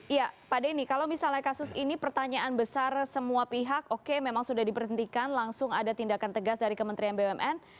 iya pak denny kalau misalnya kasus ini pertanyaan besar semua pihak oke memang sudah diberhentikan langsung ada tindakan tegas dari kementerian bumn